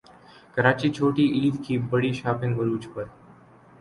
کراچی چھوٹی عید کی بڑی شاپنگ عروج پر